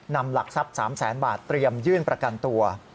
นำหลักทรัพย์๓แสนบาทเตรียมยื่นประกันตัว